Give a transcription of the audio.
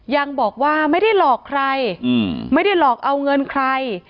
ยังบอกว่าไม่ได้หลอกใครไม่ได้หลอกเอาเงินใคร